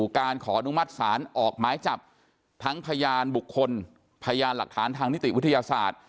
ขออนุมัติศาลออกหมายจับทั้งพยานบุคคลพยานหลักฐานทางนิติวิทยาศาสตร์